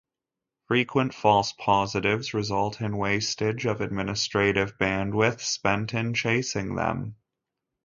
Frequent false positives result in wastage of administrative bandwidth spent in chasing them.